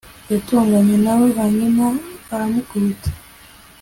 yatonganye na we hanyuma aramukubita